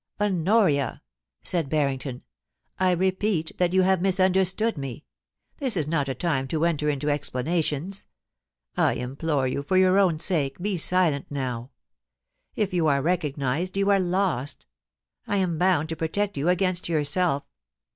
' Honoria,' said Barrington, ' I repeat that you have mis understood me. This is not a rime to enter into explana tions. I implore you, for your own sake, be silent now. If 352 POLICY AND PASSIOJST. you are recognised you are lost I am bound to protect you against yourself.